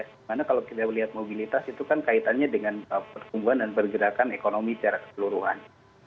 karena kalau kita lihat mobilitas itu kan kaitannya dengan perkembangan dan pergerakan ekonomi secara keseluruhan